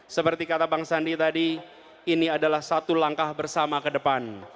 seperti kata bang sandi tadi ini adalah satu langkah bersama ke depan